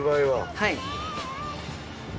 はい。